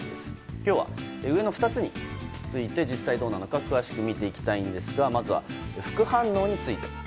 今日は、上の２つについて実際どうなのか詳しく見ていきたいんですがまずは副反応について。